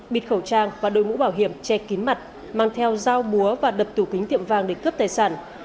bịt khẩu trang và đội mũ bảo hiểm che kín mặt mang theo dao búa và đập tủ kính tiệm vàng để cướp tài sản